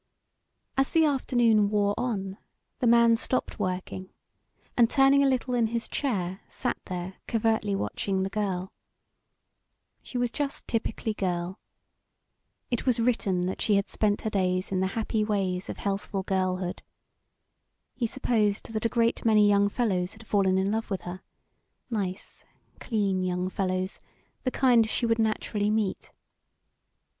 As the afternoon wore on the man stopped working and turning a little in his chair sat there covertly watching the girl. She was just typically girl. It was written that she had spent her days in the happy ways of healthful girlhood. He supposed that a great many young fellows had fallen in love with her nice, clean young fellows, the kind she would naturally meet.